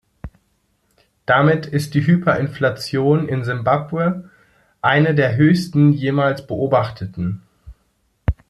Damit ist die Hyperinflation in Simbabwe eine der höchsten jemals beobachteten.